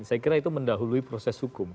saya kira itu mendahului proses hukum